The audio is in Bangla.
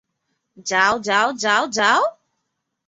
যাও, যাও, যাও, যাও।